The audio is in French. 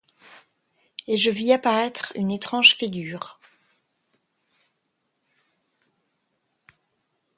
Et je vis apparaître une étrange figure ;